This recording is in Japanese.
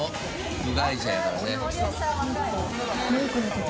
部外者やからね。